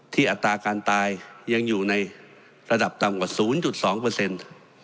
ที่อัตราการตายยังอยู่ในระดับต่ำกว่า๐๒เปอร์เซ็นต์